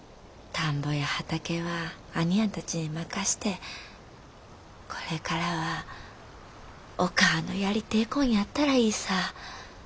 田んぼや畑は兄やんたちに任してこれからはおかあのやりてえこんやったらいいさ。